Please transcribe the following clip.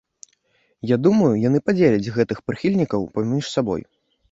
Я думаю, яны падзеляць гэтых прыхільнікаў паміж сабой.